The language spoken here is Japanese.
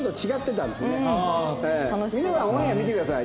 皆さんオンエア見てください。